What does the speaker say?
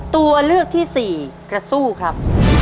ตัวเลือกที่สี่กระสู้ครับ